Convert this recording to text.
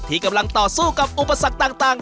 ที่กำลังต่อสู้ต่าง